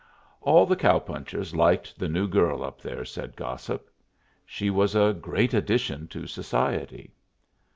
All the cow punchers liked the new girl up there, said gossip. She was a great addition to society.